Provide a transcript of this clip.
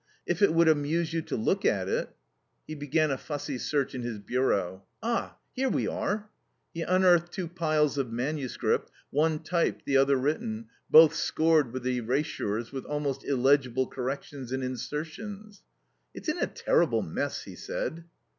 "If it would amuse you to look at it " He began a fussy search in his bureau. "Ah, here we are!" He unearthed two piles of manuscript, one typed, the other written, both scored with erasures, with almost illegible corrections and insertions. "It's in a terrible mess," he said.